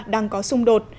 đang có xung đột